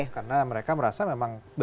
karena mereka merasa memang